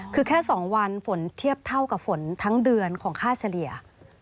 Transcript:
คือแค่๒วันฝนเทียบเท่ากับฝนทั้งเดือนของค่าเฉลี่ย